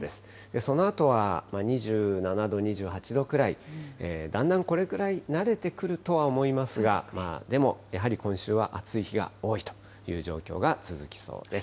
そのあとは２７度、２８度くらい、だんだんこれぐらい、慣れてくるとは思いますが、でもやはり今週は暑い日が多いという状況が続きそうです。